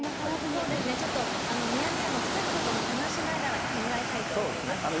そうですね、ちょっとミヤネ屋のスタッフとも話しながら考えたいと思います。